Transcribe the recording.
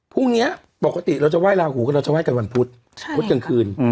พรุ่งนี้ปกติเราจะไห้ลาหูก็เราจะไห้กันวันพุธพุธกลางคืน